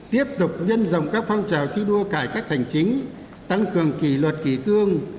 tiếp tục nhân dòng các phong trào thi đua cải cách hành chính tăng cường kỷ luật kỷ cương